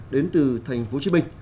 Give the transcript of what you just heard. đến từ thành phố hồ chí minh